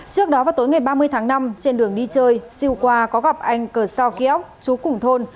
trước đó vào tối ngày ba mươi tháng năm trên đường đi chơi siêu qua có gặp anh cờ so ký ốc trú cùng thôn